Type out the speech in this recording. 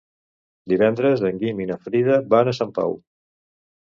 Divendres en Guim i na Frida van a Santa Pau.